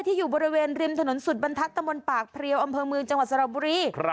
อยู่บริเวณริมถนนสุดบรรทัศตะมนต์ปากเพลียวอำเภอเมืองจังหวัดสระบุรี